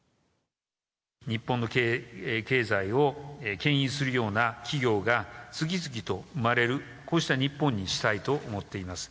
日本の経営経済をけん引するような企業が、次々と生まれる、こうした日本にしたいと思っています。